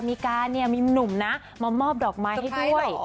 มีการเนี่ยมีหนุ่มนะมามอบดอกไม้ให้ด้วย